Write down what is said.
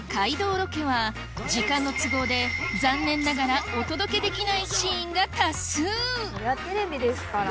ロケは時間の都合で残念ながらお届けできないシーンが多数それはテレビですから。